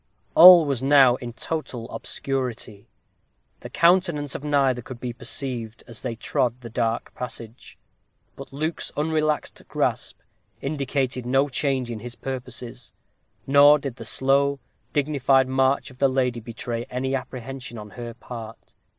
All was now in total obscurity; the countenance of neither could be perceived as they trod the dark passage; but Luke's unrelaxed grasp indicated no change in his purposes, nor did the slow, dignified march of the lady betray any apprehension on her part.